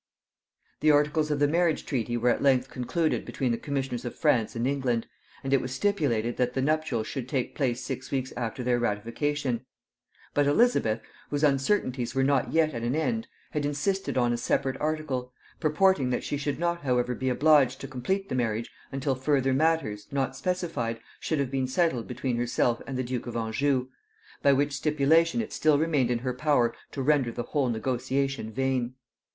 The articles of the marriage treaty were at length concluded between the commissioners of France and England, and it was stipulated that the nuptials should take place six weeks after their ratification: but Elizabeth, whose uncertainties were not yet at an end, had insisted on a separate article purporting, that she should not however be obliged to complete the marriage until further matters, not specified, should have been settled between herself and the duke of Anjou; by which stipulation it still remained in her power to render the whole negotiation vain.